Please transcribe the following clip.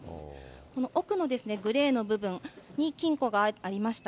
奥のグレーの部分に金庫がありました。